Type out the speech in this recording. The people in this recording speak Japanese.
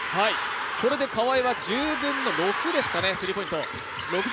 これで川井は１０分の６ですかね、スリーポイント。